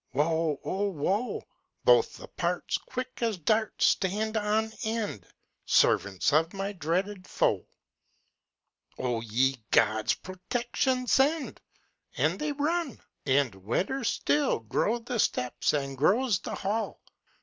Woe, oh woe! Both the parts, Quick as darts, Stand on end, Servants of my dreaded foe! Oh, ye gods protection send! And they run! and wetter still Grow the steps and grows the hail.